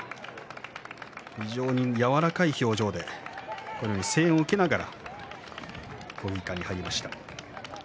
柔らかい表情で声援を受けながら国技館に入りました。